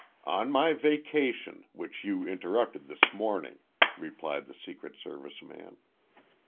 "On my vacation, which you interrupted this morning," replied the Secret Service man.